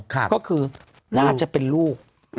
ก็คือน่าจะเป็นลูก